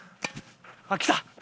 あっきた！